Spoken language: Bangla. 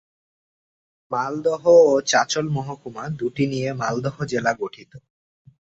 মালদহ ও চাঁচল মহকুমা দুটি নিয়ে মালদহ জেলা গঠিত।